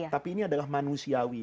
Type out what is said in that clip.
tapi ini adalah manusiawi